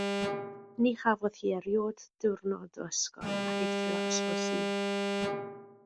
Ni chafodd hi erioed diwrnod o ysgol ac eithrio Ysgol Sul.